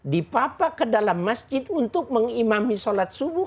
dipapa ke dalam masjid untuk mengimami sholat subuh